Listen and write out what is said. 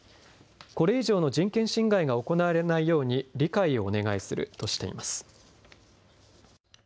これ以上の人権侵害が行われないように理解をお願いするとしています。